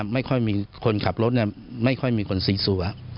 ไม่ค่อยมีคนขับรถไม่ค่อยมีคนซีซัว